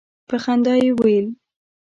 په خندا یې ویل.